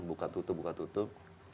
buka tutup buka tutup